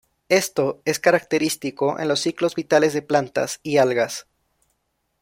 Esto es característico en los ciclos vitales de plantas y algas.